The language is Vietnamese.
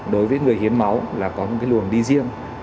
đối với người hiến máu là có một cái luồng đi riêng